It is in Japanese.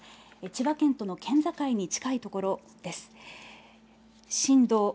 千葉県との県境に近い所です。